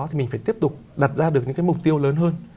thì mình phải tiếp tục đặt ra được những cái mục tiêu lớn hơn